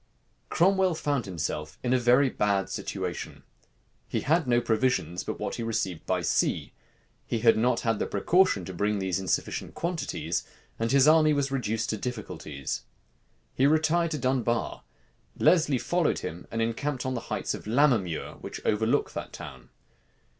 Cromwell found himself in a very bad situation. He had no provisions but what he received by sea. He had not had the precaution to bring these in sufficient quantities; and his army was reduced to difficulties. He retired to Dunbar. Lesley followed him, and encamped on the heights of Lammermure, which overlook that town.